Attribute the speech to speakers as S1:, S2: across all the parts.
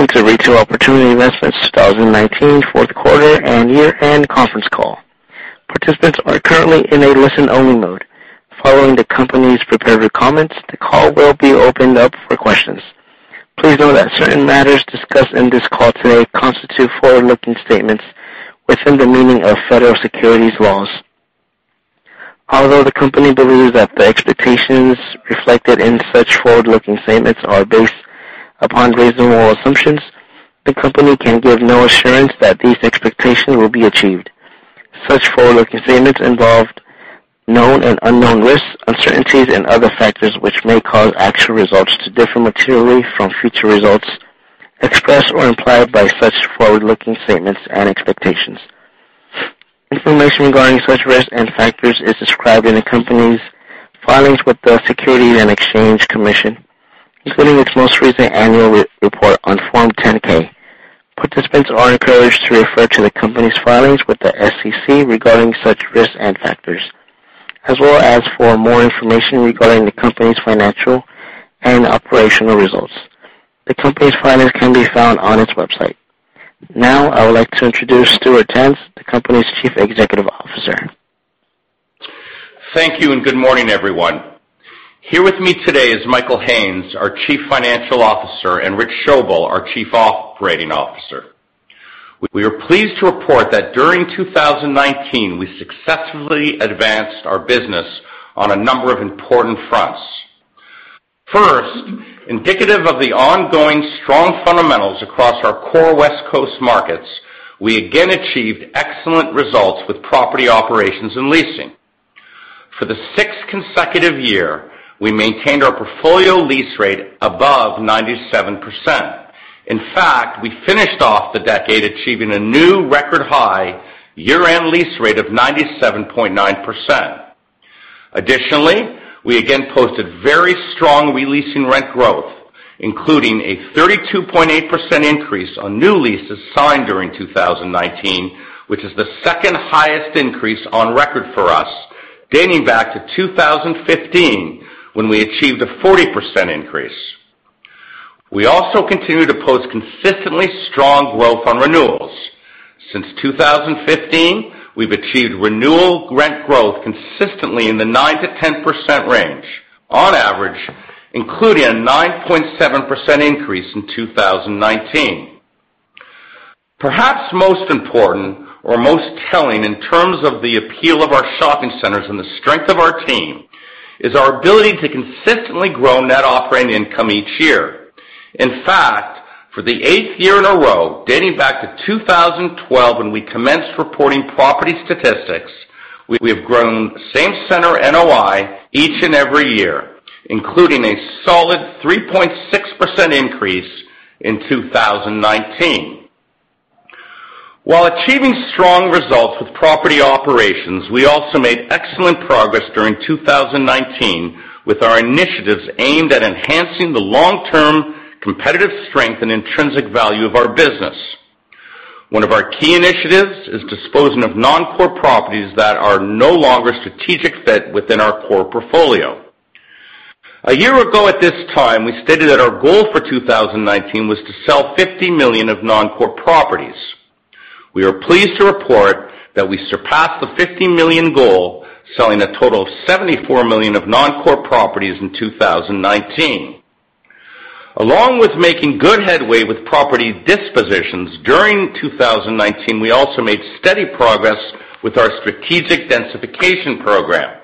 S1: Welcome to Retail Opportunity Investments 2019 fourth quarter and year-end conference call. Participants are currently in a listen-only mode. Following the company's prepared comments, the call will be opened up for questions. Please note that certain matters discussed in this call today constitute forward-looking statements within the meaning of federal securities laws. Although the company believes that the expectations reflected in such forward-looking statements are based upon reasonable assumptions, the company can give no assurance that these expectations will be achieved. Such forward-looking statements involve known and unknown risks, uncertainties, and other factors which may cause actual results to differ materially from future results expressed or implied by such forward-looking statements and expectations. Information regarding such risks and factors is described in the company's filings with the Securities and Exchange Commission, including its most recent Annual Report on Form 10-K. Participants are encouraged to refer to the company's filings with the SEC regarding such risks and factors, as well as for more information regarding the company's financial and operational results. The company's filings can be found on its website. Now, I would like to introduce Stuart Tanz, the company's Chief Executive Officer.
S2: Thank you, good morning, everyone. Here with me today is Michael Haines, our Chief Financial Officer, and Rich Schoebel, our Chief Operating Officer. We are pleased to report that during 2019, we successfully advanced our business on a number of important fronts. First, indicative of the ongoing strong fundamentals across our core West Coast markets, we again achieved excellent results with property operations and leasing. For the sixth consecutive year, we maintained our portfolio lease rate above 97%. In fact, we finished off the decade achieving a new record high year-end lease rate of 97.9%. Additionally, we again posted very strong re-leasing rent growth, including a 32.8% increase on new leases signed during 2019, which is the second highest increase on record for us, dating back to 2015 when we achieved a 40% increase. We also continue to post consistently strong growth on renewals. Since 2015, we've achieved renewal rent growth consistently in the 9%-10% range on average, including a 9.7% increase in 2019. Perhaps most important or most telling in terms of the appeal of our shopping centers and the strength of our team is our ability to consistently grow net operating income each year. In fact, for the eighth year in a row, dating back to 2012 when we commenced reporting property statistics, we have grown same-center NOI each and every year, including a solid 3.6% increase in 2019. While achieving strong results with property operations, we also made excellent progress during 2019 with our initiatives aimed at enhancing the long-term competitive strength and intrinsic value of our business. One of our key initiatives is disposing of non-core properties that are no longer a strategic fit within our core portfolio. A year ago at this time, we stated that our goal for 2019 was to sell $50 million of non-core properties. We are pleased to report that we surpassed the $50 million goal, selling a total of $74 million of non-core properties in 2019. Along with making good headway with property dispositions, during 2019, we also made steady progress with our strategic densification program.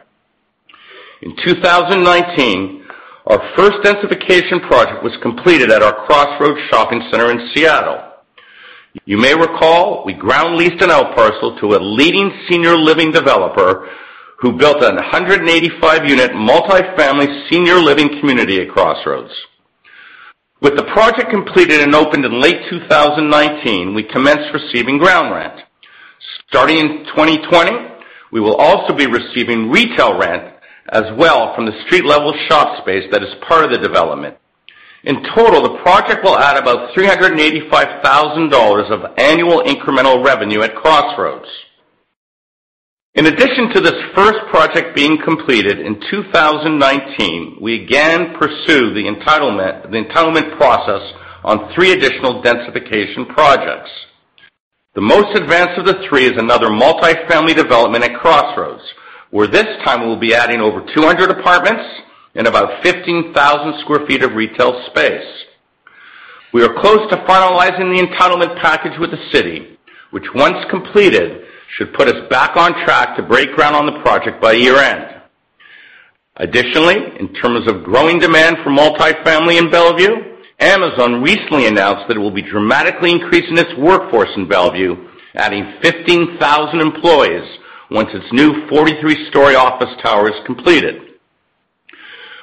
S2: In 2019, our first densification project was completed at our Crossroads shopping center in Seattle. You may recall, we ground leased an out parcel to a leading senior living developer who built a 185-unit multi-family senior living community at Crossroads. With the project completed and opened in late 2019, we commenced receiving ground rent. Starting in 2020, we will also be receiving retail rent as well from the street-level shop space that is part of the development. In total, the project will add about $385,000 of annual incremental revenue at Crossroads. In addition to this first project being completed in 2019, we again pursued the entitlement process on three additional densification projects. The most advanced of the three is another multi-family development at Crossroads, where this time we'll be adding over 200 apartments and about 15,000 sq ft of retail space. We are close to finalizing the entitlement package with the city, which once completed, should put us back on track to break ground on the project by year-end. In terms of growing demand for multi-family in Bellevue, Amazon recently announced that it will be dramatically increasing its workforce in Bellevue, adding 15,000 employees once its new 43-story office tower is completed.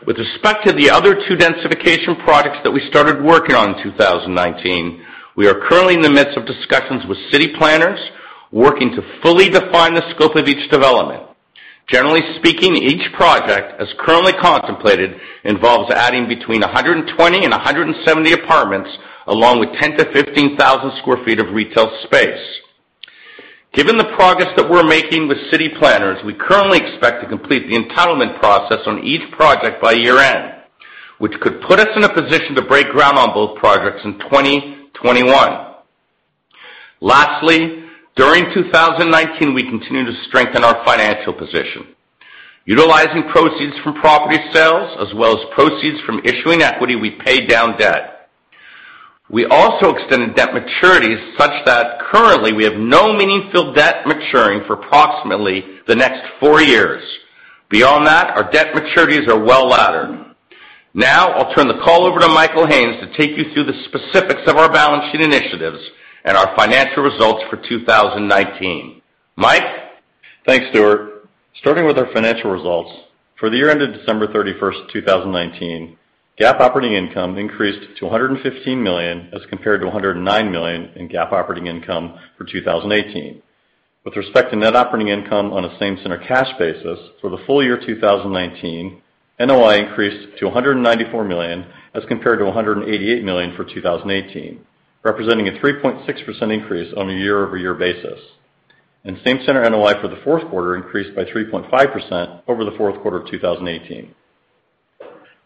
S2: With respect to the other two densification projects that we started working on in 2019, we are currently in the midst of discussions with city planners, working to fully define the scope of each development. Generally speaking, each project, as currently contemplated, involves adding between 120 and 170 apartments, along with 10,000 sq ft-15,000 sq ft of retail space. Given the progress that we're making with city planners, we currently expect to complete the entitlement process on each project by year-end, which could put us in a position to break ground on both projects in 2021. Lastly, during 2019, we continued to strengthen our financial position. Utilizing proceeds from property sales as well as proceeds from issuing equity, we paid down debt. We also extended debt maturities such that currently we have no meaningful debt maturing for approximately the next four years. Beyond that, our debt maturities are well-laddered. Now, I'll turn the call over to Michael Haines to take you through the specifics of our balance sheet initiatives and our financial results for 2019. Mike?
S3: Thanks, Stuart. Starting with our financial results, for the year ended December 31st, 2019, GAAP operating income increased to $115 million as compared to $109 million in GAAP operating income for 2018. With respect to net operating income on a same center cash basis for the full-year 2019, NOI increased to $194 million as compared to $188 million for 2018, representing a 3.6% increase on a year-over-year basis. Same center NOI for the fourth quarter increased by 3.5% over the fourth quarter of 2018.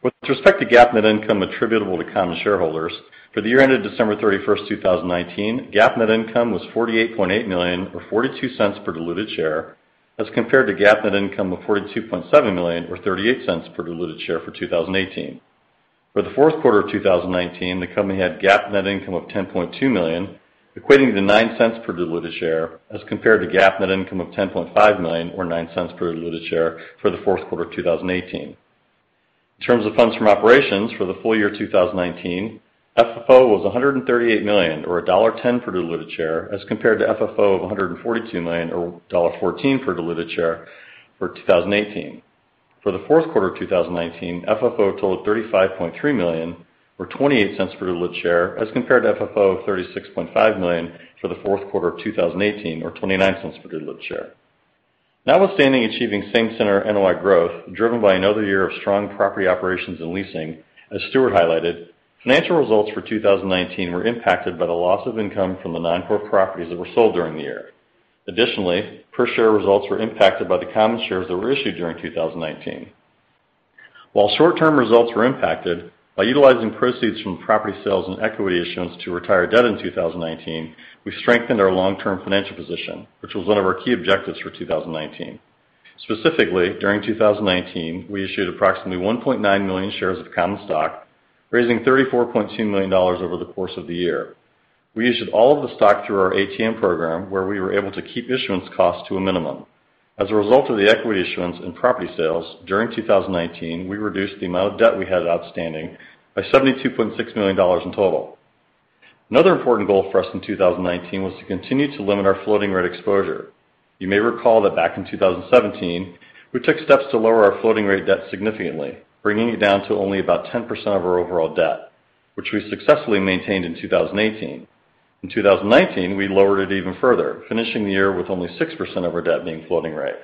S3: With respect to GAAP net income attributable to common shareholders, for the year-ended December 31st, 2019, GAAP net income was $48.8 million, or $0.42 per diluted share, as compared to GAAP net income of $42.7 million, or $0.38 per diluted share for 2018. For the fourth quarter of 2019, the company had GAAP net income of $10.2 million, equating to $0.09 per diluted share, as compared to GAAP net income of $10.5 million, or $0.09 per diluted share for the fourth quarter of 2018. In terms of funds from operations for the full-year 2019, FFO was $138 million, or $1.10 per diluted share, as compared to FFO of $142 million, or $1.14 per diluted share for 2018. For the fourth quarter of 2019, FFO totaled $35.3 million, or $0.28 per diluted share, as compared to FFO of $36.5 million for the fourth quarter of 2018, or $0.29 per diluted share. Notwithstanding achieving same center NOI growth driven by another year of strong property operations and leasing, as Stuart highlighted, financial results for 2019 were impacted by the loss of income from the non-core properties that were sold during the year. Additionally, per share results were impacted by the common shares that were issued during 2019. While short-term results were impacted by utilizing proceeds from property sales and equity issuance to retire debt in 2019, we strengthened our long-term financial position, which was one of our key objectives for 2019. Specifically, during 2019, we issued approximately 1.9 million shares of common stock, raising $34.2 million over the course of the year. We issued all of the stock through our ATM program, where we were able to keep issuance costs to a minimum. As a result of the equity issuance and property sales during 2019, we reduced the amount of debt we had outstanding by $72.6 million in total. Another important goal for us in 2019 was to continue to limit our floating rate exposure. You may recall that back in 2017, we took steps to lower our floating rate debt significantly, bringing it down to only about 10% of our overall debt, which we successfully maintained in 2018. In 2019, we lowered it even further, finishing the year with only 6% of our debt being floating rate.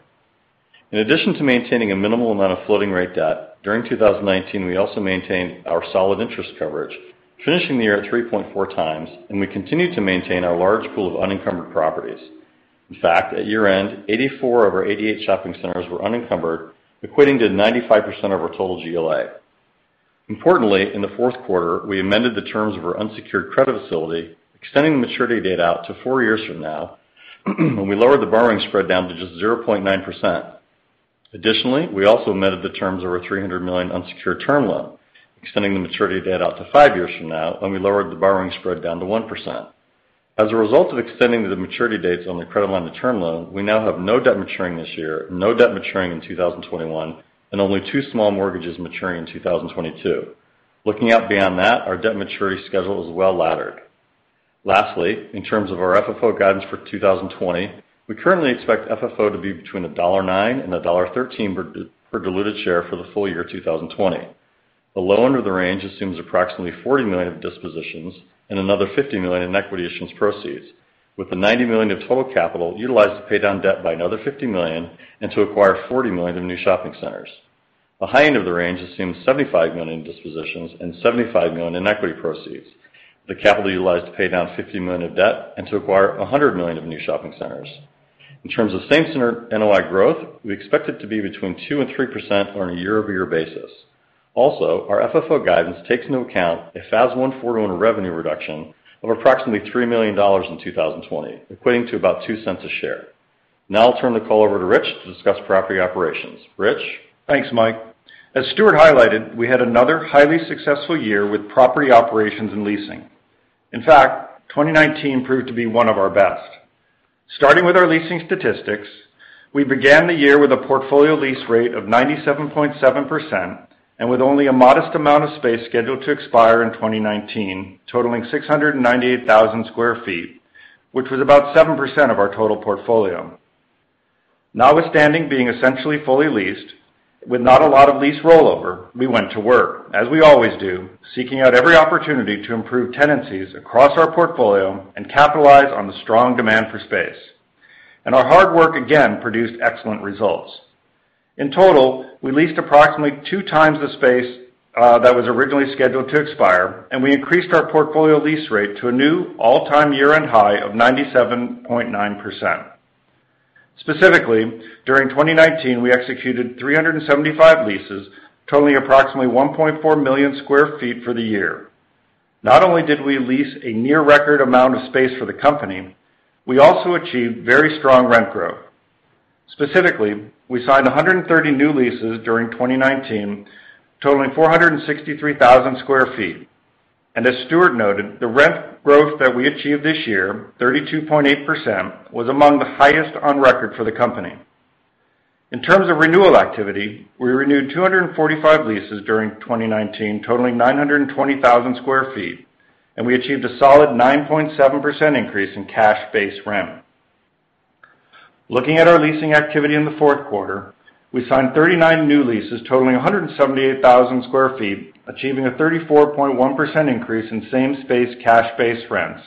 S3: In addition to maintaining a minimal amount of floating rate debt, during 2019, we also maintained our solid interest coverage, finishing the year at 3.4x, and we continued to maintain our large pool of unencumbered properties. In fact, at year-end, 84 of our 88 shopping centers were unencumbered, equating to 95% of our total GLA. Importantly, in the fourth quarter, we amended the terms of our unsecured credit facility, extending the maturity date out to four years from now, and we lowered the borrowing spread down to just 0.9%. Additionally, we also amended the terms of our $300 million unsecured term loan, extending the maturity date out to five years from now, and we lowered the borrowing spread down to 1%. As a result of extending the maturity dates on the credit line to term loan, we now have no debt maturing this year, no debt maturing in 2021, and only two small mortgages maturing in 2022. Looking out beyond that, our debt maturity schedule is well-laddered. Lastly, in terms of our FFO guidance for 2020, we currently expect FFO to be between $1.09 and $1.13 per diluted share for the full-year 2020. The low end of the range assumes approximately $40 million of dispositions and another $50 million in equity issuance proceeds, with the $90 million of total capital utilized to pay down debt by another $50 million and to acquire $40 million of new shopping centers. The high end of the range assumes $75 million in dispositions and $75 million in equity proceeds. The capital utilized to pay down $50 million of debt and to acquire $100 million of new shopping centers. In terms of same center NOI growth, we expect it to be between 2% and 3% on a year-over-year basis. Also, our FFO guidance takes into account a FAS 141 revenue reduction of approximately $3 million in 2020, equating to about $0.02 a share. Now I'll turn the call over to Rich to discuss property operations. Rich?
S4: Thanks, Mike. As Stuart highlighted, we had another highly successful year with property operations and leasing. In fact, 2019 proved to be one of our best. Starting with our leasing statistics, we began the year with a portfolio lease rate of 97.7% and with only a modest amount of space scheduled to expire in 2019, totaling 698,000 sq ft, which was about 7% of our total portfolio. Notwithstanding being essentially fully leased with not a lot of lease rollover, we went to work, as we always do, seeking out every opportunity to improve tenancies across our portfolio and capitalize on the strong demand for space. Our hard work again produced excellent results. In total, we leased approximately 2x the space that was originally scheduled to expire, and we increased our portfolio lease rate to a new all-time year-end high of 97.9%. Specifically, during 2019, we executed 375 leases totaling approximately 1.4 million square feet for the year. Not only did we lease a near record amount of space for the company, we also achieved very strong rent growth. Specifically, we signed 130 new leases during 2019, totaling 463,000 square feet. As Stuart noted, the rent growth that we achieved this year, 32.8%, was among the highest on record for the company. In terms of renewal activity, we renewed 245 leases during 2019, totaling 920,000 sq ft, and we achieved a solid 9.7% increase in cash base rent. Looking at our leasing activity in the fourth quarter, we signed 39 new leases totaling 178,000 sq ft, achieving a 34.1% increase in same-space cash base rents.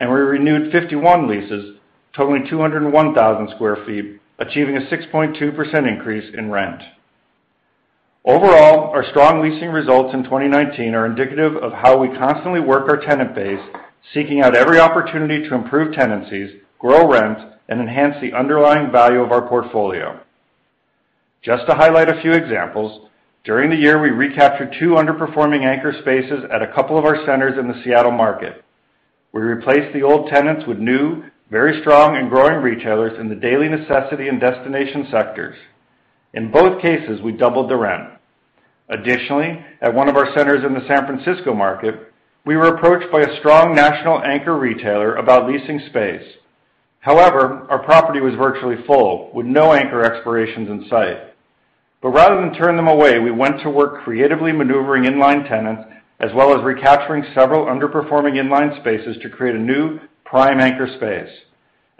S4: We renewed 51 leases totaling 201,000 square feet, achieving a 6.2% increase in rent. Overall, our strong leasing results in 2019 are indicative of how we constantly work our tenant base, seeking out every opportunity to improve tenancies, grow rents, enhance the underlying value of our portfolio. Just to highlight a few examples, during the year, we recaptured two underperforming anchor spaces at a couple of our centers in the Seattle market. We replaced the old tenants with new, very strong, and growing retailers in the daily necessity and destination sectors. In both cases, we doubled the rent. Additionally, at one of our centers in the San Francisco market, we were approached by a strong national anchor retailer about leasing space. Our property was virtually full with no anchor expirations in sight. Rather than turn them away, we went to work creatively maneuvering in-line tenants as well as recapturing several underperforming in-line spaces to create a new prime anchor space.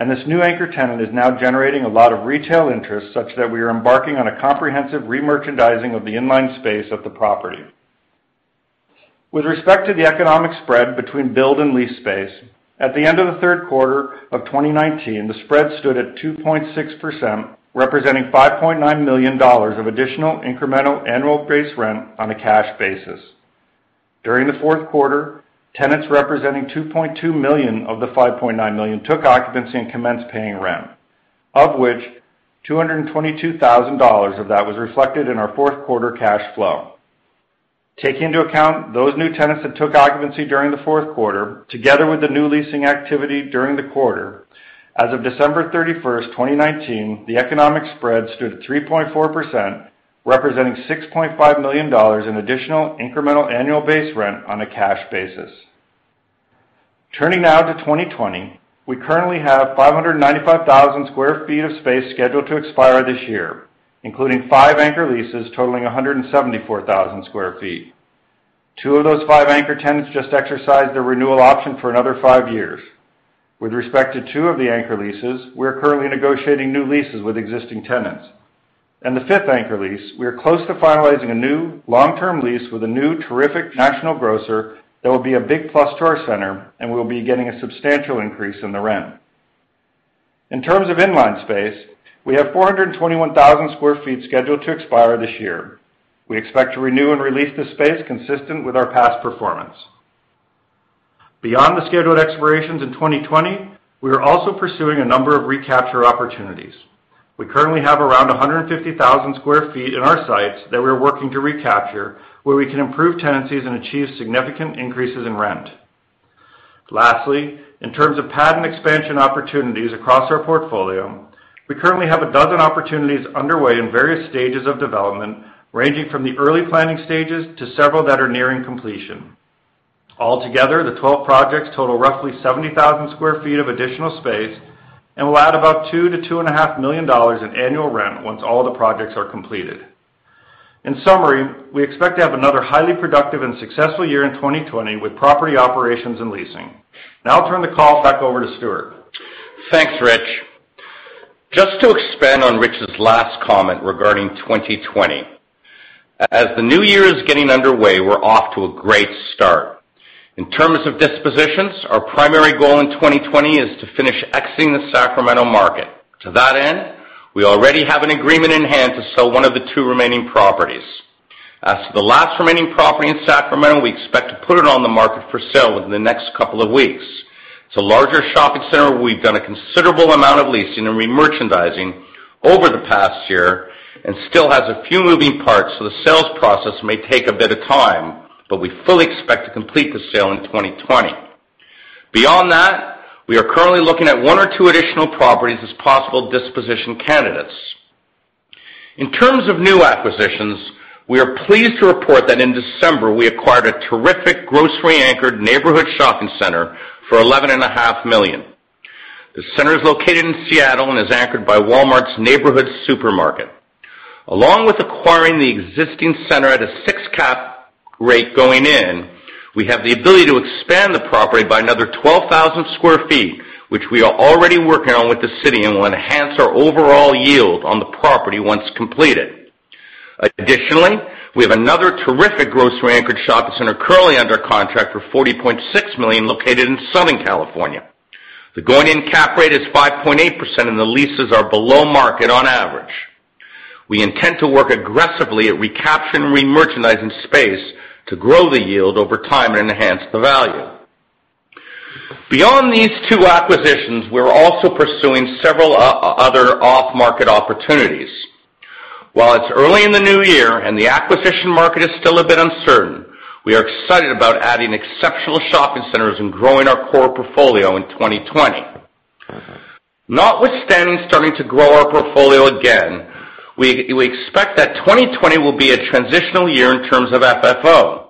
S4: This new anchor tenant is now generating a lot of retail interest, such that we are embarking on a comprehensive re-merchandising of the in-line space at the property. With respect to the economic spread between build and lease space, at the end of the third quarter of 2019, the spread stood at 2.6%, representing $5.9 million of additional incremental annual base rent on a cash basis. During the fourth quarter, tenants representing $2.2 million of the $5.9 million took occupancy and commenced paying rent, of which $222,000 of that was reflected in our fourth quarter cash flow. Taking into account those new tenants that took occupancy during the fourth quarter, together with the new leasing activity during the quarter, as of December 31st, 2019, the economic spread stood at 3.4%, representing $6.5 million in additional incremental annual base rent on a cash basis. Turning now to 2020. We currently have 595,000 square feet of space scheduled to expire this year, including five anchor leases totaling 174,000 square feet. Two of those five anchor tenants just exercised their renewal option for another five years. With respect to two of the anchor leases, we are currently negotiating new leases with existing tenants. The fifth anchor lease, we are close to finalizing a new long-term lease with a new terrific national grocer that will be a big plus to our center, and we'll be getting a substantial increase in the rent. In terms of in-line space, we have 421,000 sq ft scheduled to expire this year. We expect to renew and re-lease this space consistent with our past performance. Beyond the scheduled expirations in 2020, we are also pursuing a number of recapture opportunities. We currently have around 150,000 sq ft in our sites that we are working to recapture, where we can improve tenancies and achieve significant increases in rent. Lastly, in terms of pad and expansion opportunities across our portfolio, we currently have a dozen opportunities underway in various stages of development, ranging from the early planning stages to several that are nearing completion. Altogether, the 12 projects total roughly 70,000 sq ft of additional space and will add about $2 million-$2.5 million in annual rent once all the projects are completed. In summary, we expect to have another highly productive and successful year in 2020 with property operations and leasing. Now I'll turn the call back over to Stuart.
S2: Thanks, Rich. Just to expand on Rich's last comment regarding 2020. The new year is getting underway, we're off to a great start. In terms of dispositions, our primary goal in 2020 is to finish exiting the Sacramento market. To that end, we already have an agreement in hand to sell one of the two remaining properties. As to the last remaining property in Sacramento, we expect to put it on the market for sale within the next couple of weeks. It's a larger shopping center where we've done a considerable amount of leasing and re-merchandising over the past year and still has a few moving parts. The sales process may take a bit of time. We fully expect to complete the sale in 2020. Beyond that, we are currently looking at one or two additional properties as possible disposition candidates. In terms of new acquisitions, we are pleased to report that in December we acquired a terrific grocery-anchored neighborhood shopping center for $11.5 million. The center is located in Seattle and is anchored by Walmart's Neighborhood Supermarket. Along with acquiring the existing center at a six cap rate going in, we have the ability to expand the property by another 12,000 sq ft, which we are already working on with the city and will enhance our overall yield on the property once completed. Additionally, we have another terrific grocery-anchored shopping center currently under contract for $40.6 million located in Southern California. The going-in cap rate is 5.8%. The leases are below market on average. We intend to work aggressively at recapturing and re-merchandising space to grow the yield over time and enhance the value. Beyond these two acquisitions, we're also pursuing several other off-market opportunities. While it's early in the new year and the acquisition market is still a bit uncertain, we are excited about adding exceptional shopping centers and growing our core portfolio in 2020. Notwithstanding starting to grow our portfolio again, we expect that 2020 will be a transitional year in terms of FFO.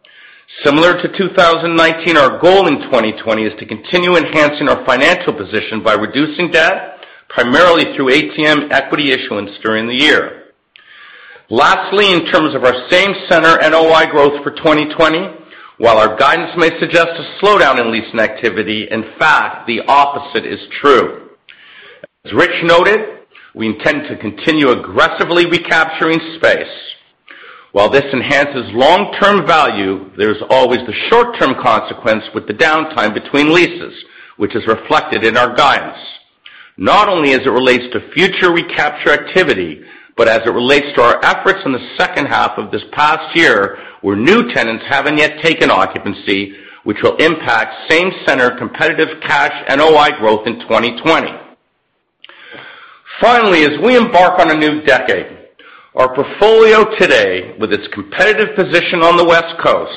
S2: Similar to 2019, our goal in 2020 is to continue enhancing our financial position by reducing debt, primarily through ATM equity issuance during the year. Lastly, in terms of our same center NOI growth for 2020, while our guidance may suggest a slowdown in leasing activity, in fact, the opposite is true. As Rich noted, we intend to continue aggressively recapturing space. While this enhances long-term value, there's always the short-term consequence with the downtime between leases, which is reflected in our guidance, not only as it relates to future recapture activity, but as it relates to our efforts in the second half of this past year, where new tenants haven't yet taken occupancy, which will impact same-center competitive cash NOI growth in 2020. Finally, as we embark on a new decade, our portfolio today, with its competitive position on the West Coast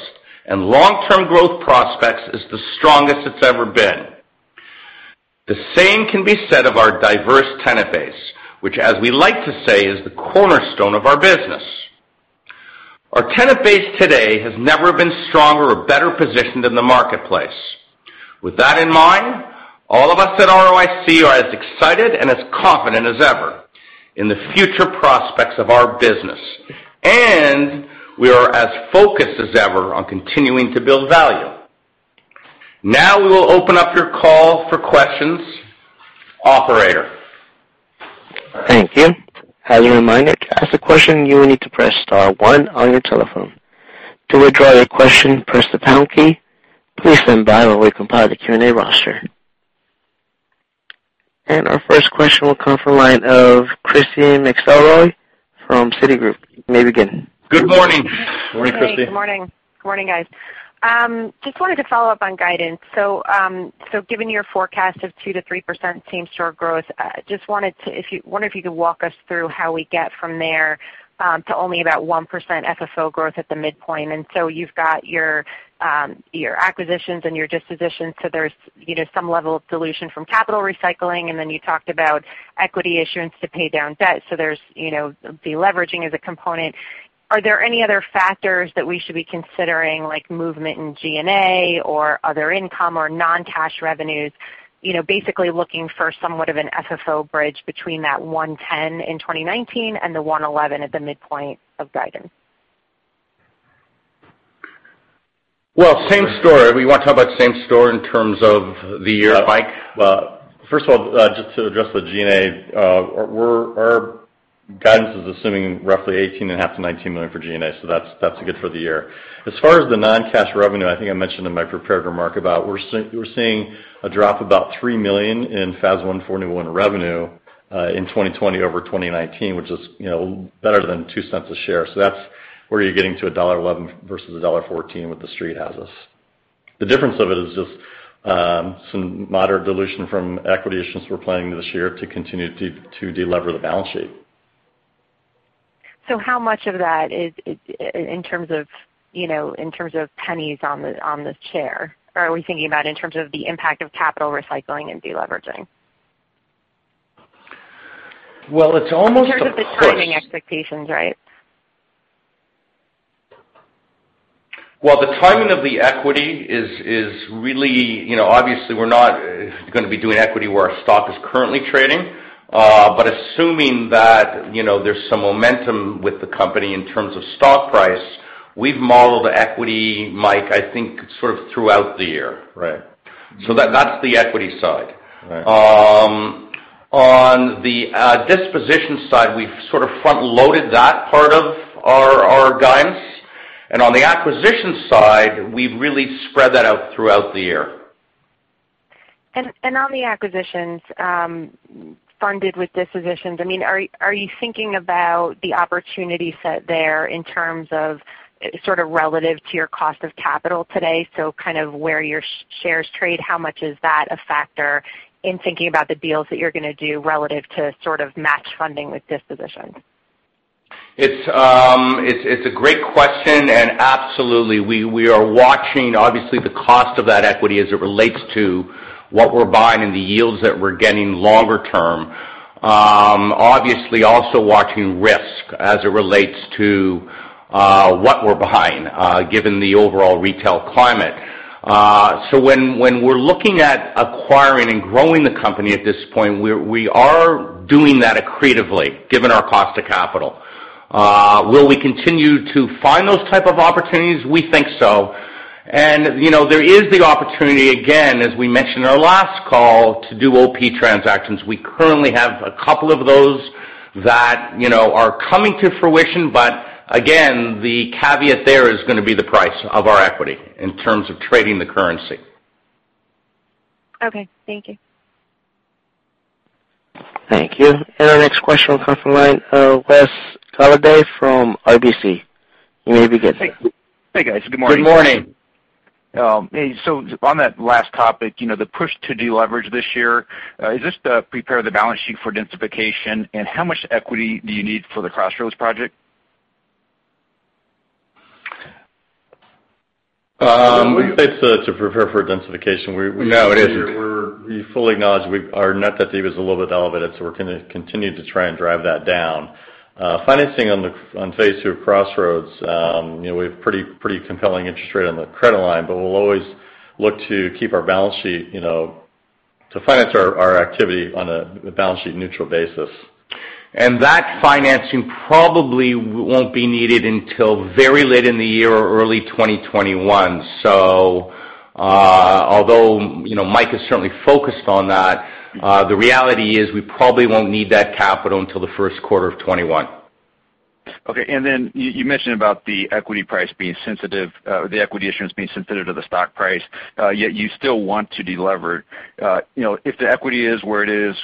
S2: and long-term growth prospects, is the strongest it's ever been. The same can be said of our diverse tenant base, which, as we like to say, is the cornerstone of our business. Our tenant base today has never been stronger or better positioned in the marketplace. With that in mind, all of us at ROIC are as excited and as confident as ever in the future prospects of our business, and we are as focused as ever on continuing to build value. We will open up your call for questions. Operator?
S1: Thank you. As a reminder, to ask a question, you will need to press star one on your telephone. To withdraw your question, press the pound key. Please stand by while we compile the Q&A roster. Our first question will come from the line of Christy McElroy from Citigroup. You may begin.
S2: Good morning.
S3: Morning, Christy.
S5: Good morning. Good morning, guys. Just wanted to follow up on guidance. Given your forecast of 2%-3% same-store growth, I just wonder if you could walk us through how we get from there to only about 1% FFO growth at the midpoint. You've got your acquisitions and your dispositions, so there's some level of dilution from capital recycling. Then you talked about equity issuance to pay down debt. There's de-leveraging as a component. Are there any other factors that we should be considering, like movement in G&A or other income or non-cash revenues? Basically looking for somewhat of an FFO bridge between that $1.10 in 2019 and the $1.11 at the midpoint of guidance.
S2: Well, same store. We want to talk about same store in terms of the year. Mike?
S3: First of all, just to address the G&A, our guidance is assuming roughly $18.5 million-$19 million for G&A, that's good for the year. As far as the non-cash revenue, I think I mentioned in my prepared remark about we're seeing a drop of about $3 million in FAS 141 revenue in 2020 over 2019, which is better than $0.02 a share. That's where you're getting to $1.11 versus $1.14 what The Street has us. The difference of it is just some moderate dilution from equity issuance we're planning this year to continue to de-lever the balance sheet.
S5: How much of that is in terms of pennies on the share? Are we thinking about in terms of the impact of capital recycling and de-leveraging?
S2: Well, it's almost a push.
S5: In terms of the timing expectations, right?
S2: Well, the timing of the equity is obviously, we're not going to be doing equity where our stock is currently trading. Assuming that there's some momentum with the company in terms of stock price, we've modeled equity, Mike, I think sort of throughout the year.
S3: Right.
S2: That's the equity side.
S3: Right.
S2: On the disposition side, we've sort of front-loaded that part of our guidance. On the acquisition side, we've really spread that out throughout the year.
S5: On the acquisitions funded with dispositions, are you thinking about the opportunity set there in terms of sort of relative to your cost of capital today? Kind of where your shares trade, how much is that a factor in thinking about the deals that you're going to do relative to sort of match funding with dispositions?
S2: It's a great question. Absolutely, we are watching, obviously, the cost of that equity as it relates to what we're buying and the yields that we're getting longer-term. Obviously, also watching risk as it relates to what we're buying, given the overall retail climate. When we're looking at acquiring and growing the company at this point, we are doing that accretively given our cost of capital. Will we continue to find those type of opportunities? We think so. There is the opportunity, again, as we mentioned in our last call, to do OP transactions. We currently have a couple of those that are coming to fruition. Again, the caveat there is going to be the price of our equity in terms of trading the currency.
S5: Okay. Thank you.
S1: Thank you. Our next question will come from the line of Wes Golladay from RBC. You may begin, sir.
S6: Hey, guys. Good morning.
S2: Good morning.
S6: On that last topic, the push to deleverage this year, is this to prepare the balance sheet for densification? How much equity do you need for the Crossroads Project?
S2: When we say to prepare for densification.
S4: No, it isn't.
S2: we fully acknowledge our net debt is a little bit elevated, so we're going to continue to try and drive that down. Financing on phase II of Crossroads, we have pretty compelling interest rate on the credit line, but we'll always look to finance our activity on a balance sheet neutral basis. That financing probably won't be needed until very late in the year or early 2021. Although, Mike is certainly focused on that, the reality is we probably won't need that capital until the first quarter of 2021.
S6: Okay. You mentioned about the equity issuance being sensitive to the stock price, yet you still want to delever. If the equity is where it is,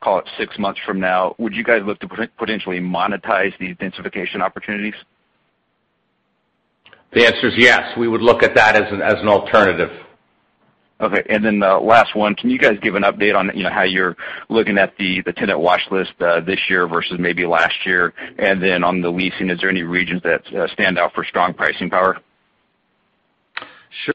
S6: call it six months from now, would you guys look to potentially monetize the densification opportunities?
S2: The answer is yes. We would look at that as an alternative.
S6: Okay. The last one. Can you guys give an update on how you're looking at the tenant watch list, this year versus maybe last year? On the leasing, is there any regions that stand out for strong pricing power?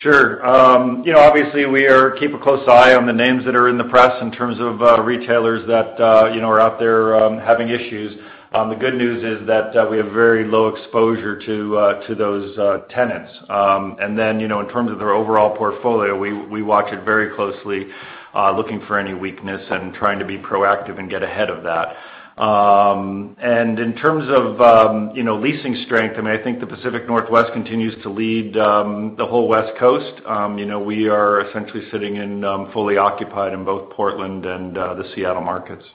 S4: Sure. Obviously, we keep a close eye on the names that are in the press in terms of retailers that are out there having issues. The good news is that we have very low exposure to those tenants. Then, in terms of their overall portfolio, we watch it very closely, looking for any weakness and trying to be proactive and get ahead of that. In terms of leasing strength, I think the Pacific Northwest continues to lead the whole West Coast. We are essentially sitting in fully occupied in both Portland and the Seattle markets.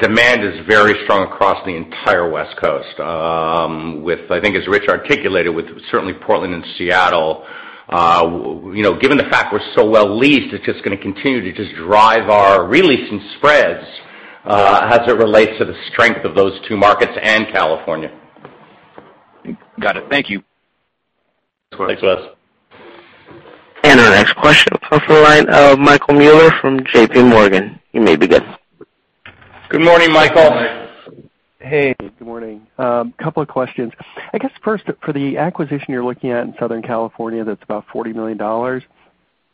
S2: Demand is very strong across the entire West Coast. I think as Rich articulated, with certainly Portland and Seattle. Given the fact we're so well leased, it's just going to continue to just drive our re-leasing spreads, as it relates to the strength of those two markets and California.
S6: Got it. Thank you.
S2: Thanks, Wes.
S1: Our next question comes from the line of Michael Mueller from JPMorgan. You may begin.
S2: Good morning, Michael.
S7: Hey. Good morning. Couple of questions. I guess first, for the acquisition you're looking at in Southern California, that's about $40 million.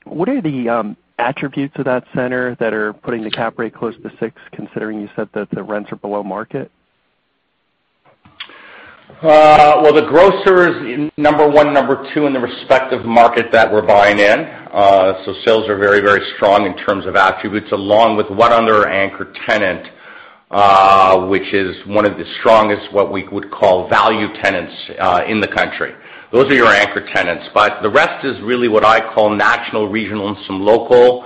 S7: What are the attributes of that center that are putting the cap rate close to six, considering you said that the rents are below market?
S2: The grocer is number one, number two in the respective market that we're buying in. Sales are very, very strong in terms of attributes, along with one other anchor tenant, which is one of the strongest, what we would call value tenants in the country. Those are your anchor tenants. The rest is really what I call national, regional, and some local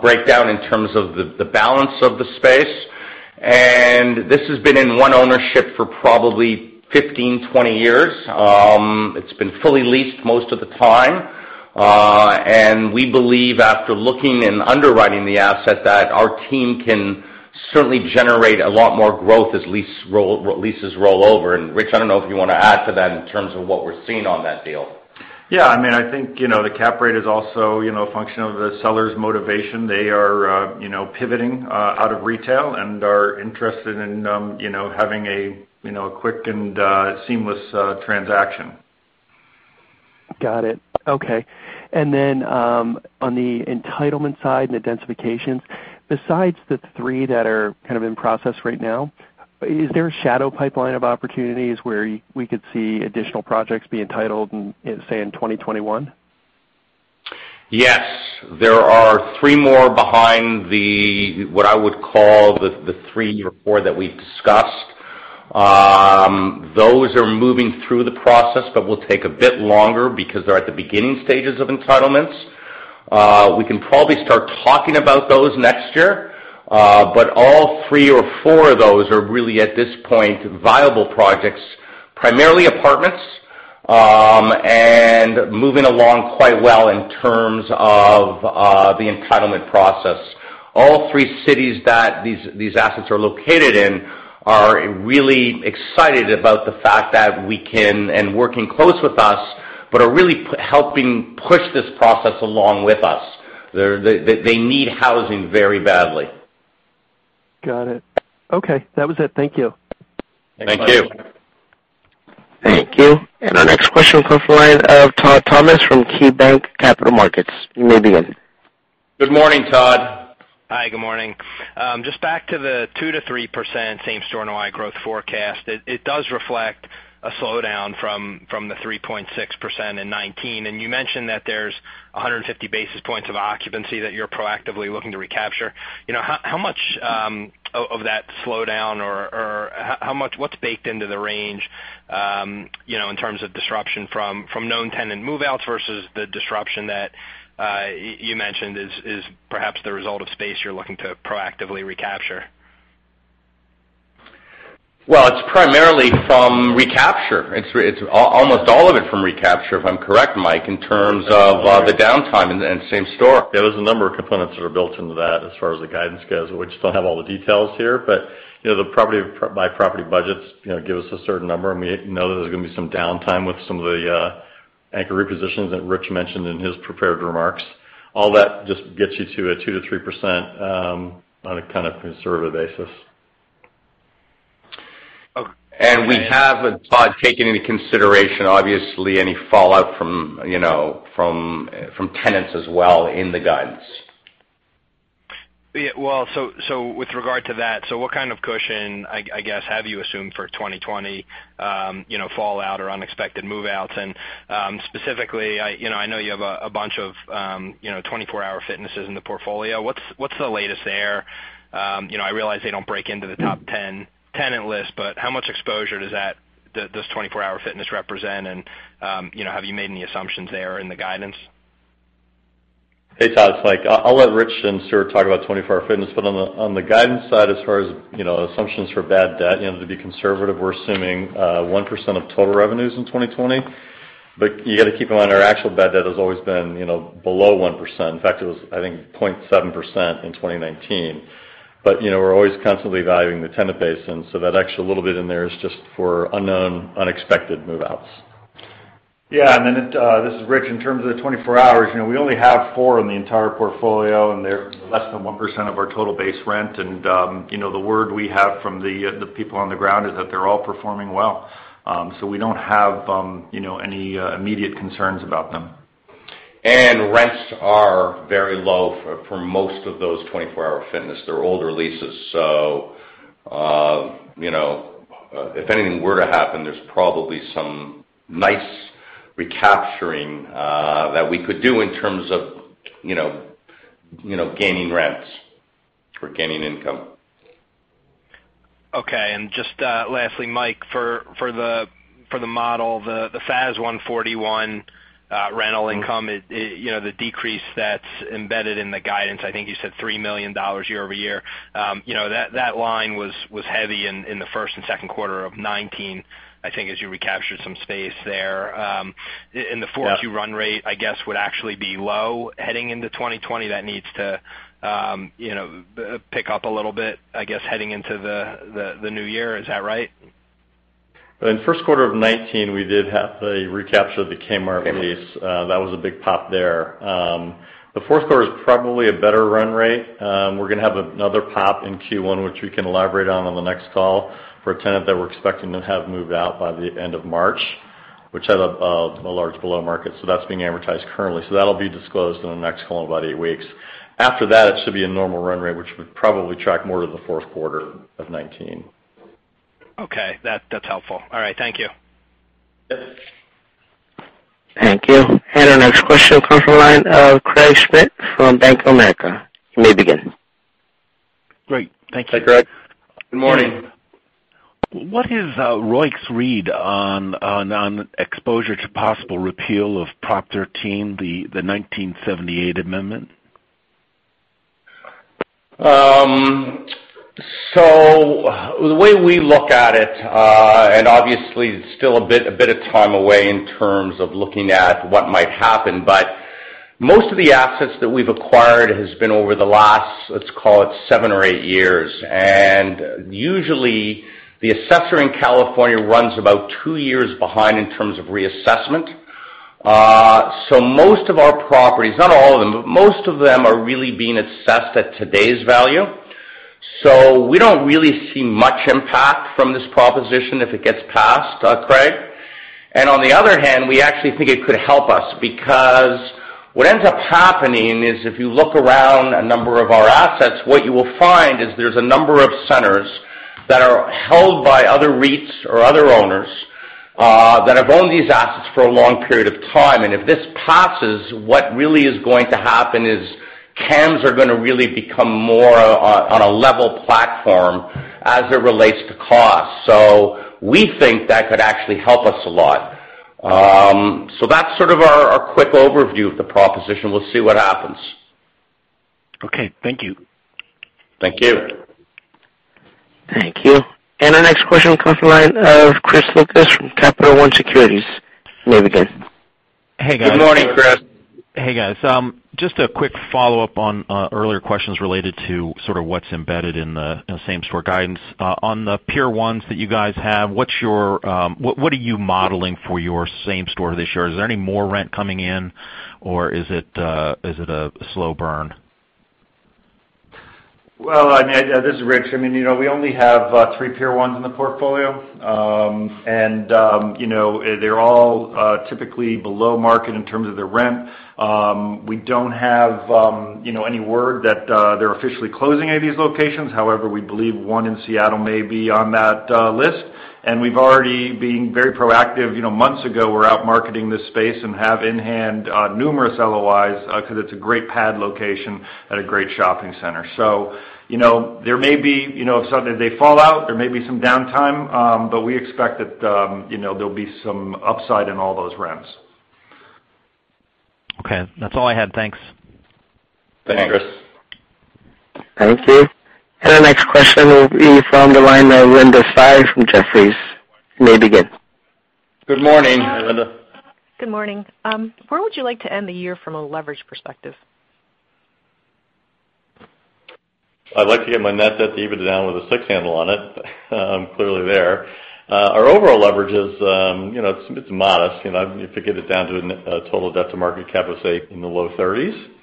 S2: breakdown in terms of the balance of the space. This has been in one ownership for probably 15, 20 years. It's been fully leased most of the time. We believe after looking and underwriting the asset, that our team can certainly generate a lot more growth as leases roll over. Rich, I don't know if you want to add to that in terms of what we're seeing on that deal.
S4: Yeah. I think the cap rate is also a function of the seller's motivation. They are pivoting out of retail and are interested in having a quick and seamless transaction.
S7: Got it. Okay. Then, on the entitlement side and the densifications, besides the three that are kind of in process right now, is there a shadow pipeline of opportunities where we could see additional projects be entitled in, say, 2021?
S2: Yes. There are three more behind the, what I would call the three or four that we've discussed. Those are moving through the process, but will take a bit longer because they're at the beginning stages of entitlements. We can probably start talking about those next year. All three or four of those are really at this point, viable projects, primarily apartments, and moving along quite well in terms of the entitlement process. All three cities that these assets are located in are really excited about the fact that we can, and working close with us, but are really helping push this process along with us. They need housing very badly.
S7: Got it. Okay. That was it. Thank you.
S2: Thank you.
S1: Thank you. Our next question comes from the line of Todd Thomas from KeyBanc Capital Markets. You may begin.
S2: Good morning, Todd.
S8: Hi. Good morning. Back to the 2%-3% same-store NOI growth forecast. It does reflect a slowdown from the 3.6% in 2019. You mentioned that there's 150 basis points of occupancy that you're proactively looking to recapture. How much of that slowdown, or what's baked into the range in terms of disruption from known tenant move-outs versus the disruption that you mentioned is perhaps the result of space you're looking to proactively recapture.
S2: Well, it's primarily from recapture. It's almost all of it from recapture, if I'm correct, Mike, in terms of the downtime in the same store.
S3: Yeah, there's a number of components that are built into that as far as the guidance goes. We just don't have all the details here, but by property budgets give us a certain number, and we know there's going to be some downtime with some of the anchor repositions that Rich mentioned in his prepared remarks. All that just gets you to a 2%-3% on a kind of conservative basis.
S2: We haven't, Todd, taken into consideration, obviously, any fallout from tenants as well in the guidance.
S8: Yeah. With regard to that, what kind of cushion, I guess, have you assumed for 2020, fallout or unexpected move-outs? Specifically, I know you have a bunch of 24 Hour Fitnesses in the portfolio. What's the latest there? I realize they don't break into the top 10 tenant list, how much exposure does this 24 Hour Fitness represent, and have you made any assumptions there in the guidance?
S3: Hey, Todd, it's Mike. I'll let Rich and Stuart talk about 24 Hour Fitness, on the guidance side, as far as assumptions for bad debt, to be conservative, we're assuming 1% of total revenues in 2020. You got to keep in mind, our actual bad debt has always been below 1%. In fact, it was, I think, 0.7% in 2019. We're always constantly evaluating the tenant base, that extra little bit in there is just for unknown, unexpected move-outs.
S4: Yeah. This is Rich. In terms of the 24 Hours, we only have four in the entire portfolio, and they're less than 1% of our total base rent. The word we have from the people on the ground is that they're all performing well. We don't have any immediate concerns about them.
S2: Rents are very low for most of those 24 Hour Fitness. They're older leases. If anything were to happen, there's probably some nice recapturing that we could do in terms of gaining rents or gaining income.
S8: Okay, just lastly, Mike, for the model, the FAS 141 rental income, the decrease that's embedded in the guidance, I think you said $3 million year-over-year. That line was heavy in the first and second quarter of 2019, I think, as you recaptured some space there. In the fourth, your run rate, I guess, would actually be low heading into 2020. That needs to pick up a little bit, I guess, heading into the new year. Is that right?
S3: In the first quarter of 2019, we did have the recapture of the Kmart lease. That was a big pop there. The fourth quarter is probably a better run rate. We're going to have another pop in Q1, which we can elaborate on the next call for a tenant that we're expecting to have moved out by the end of March, which has a large below market. That's being advertised currently. That'll be disclosed in the next call in about eight weeks. After that, it should be a normal run rate, which would probably track more to the fourth quarter of 2019.
S8: Okay. That's helpful. All right. Thank you.
S2: Yep.
S1: Thank you. Our next question comes from the line of Craig Schmidt from Bank of America. You may begin.
S9: Great. Thank you.
S2: Hi, Craig. Good morning.
S9: What is ROIC's read on exposure to possible repeal of Proposition 13, the 1978 amendment?
S2: The way we look at it, and obviously, it's still a bit of time away in terms of looking at what might happen, but most of the assets that we've acquired has been over the last, let's call it seven or eight years. Usually, the assessor in California runs about two years behind in terms of reassessment. Most of our properties, not all of them, but most of them are really being assessed at today's value. We don't really see much impact from this Proposition 13 if it gets passed, Craig. On the other hand, we actually think it could help us because what ends up happening is if you look around a number of our assets, what you will find is there's a number of centers that are held by other REITs or other owners that have owned these assets for a long period of time. If this passes, what really is going to happen is CAMs are going to really become more on a level platform as it relates to cost. We think that could actually help us a lot. That's sort of our quick overview of the Proposition. We'll see what happens.
S9: Okay. Thank you.
S2: Thank you.
S1: Thank you. Our next question comes from the line of Chris Lucas from Capital One Securities. You may begin.
S10: Hey, guys.
S2: Good morning, Chris.
S10: Hey, guys. Just a quick follow-up on earlier questions related to sort of what's embedded in the same-store guidance. On the Pier 1s that you guys have, what are you modeling for your same-store this year? Is there any more rent coming in or is it a slow burn?
S4: Well, this is Rich. I mean, we only have three Pier 1s in the portfolio. They're all typically below market in terms of their rent. We don't have any word that they're officially closing any of these locations. However, we believe one in Seattle may be on that list, and we've already been very proactive. Months ago, we were out marketing this space and have in hand numerous LOIs because it's a great pad location at a great shopping center. There may be, if suddenly they fall out, there may be some downtime, but we expect that there'll be some upside in all those rents.
S10: Okay. That's all I had. Thanks.
S2: Thanks, Chris.
S1: Thank you. Our next question will be from the line of Linda Tsai from Jefferies. You may begin.
S2: Good morning, Linda.
S11: Good morning. Where would you like to end the year from a leverage perspective?
S3: I'd like to get my net debt to EBITDA down with a six handle on it. Clearly there. Our overall leverage is modest. If you get it down to a total debt to market cap of, say, in the low 30s,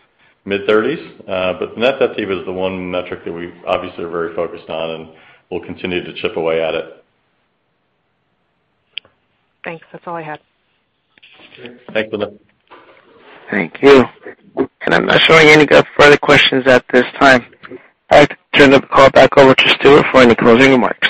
S3: mid-30s. Net debt to EBITDA is the one metric that we obviously are very focused on, and we'll continue to chip away at it.
S11: Thanks. That's all I had.
S3: Thanks, Linda.
S1: Thank you. I'm not showing any further questions at this time. I'd like to turn the call back over to Stuart for any closing remarks.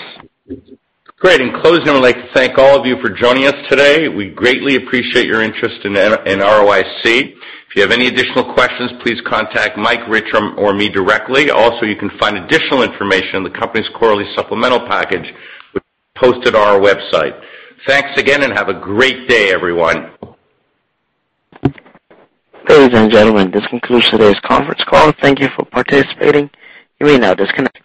S2: Great. In closing, I'd like to thank all of you for joining us today. We greatly appreciate your interest in ROIC. If you have any additional questions, please contact Mike, Rich, or me directly. Also, you can find additional information on the company's quarterly supplemental package, which is posted on our website. Thanks again, and have a great day, everyone.
S1: Ladies and gentlemen, this concludes today's conference call. Thank you for participating. You may now disconnect.